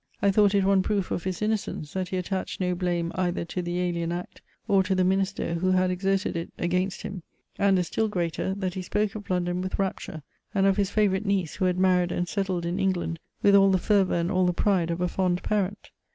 I thought it one proof of his innocence, that he attached no blame either to the alien act, or to the minister who had exerted it against him; and a still greater, that he spoke of London with rapture, and of his favourite niece, who had married and settled in England, with all the fervour and all the pride of a fond parent.